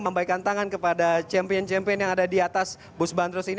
membaikan tangan kepada champion champion yang ada di atas bus bandros ini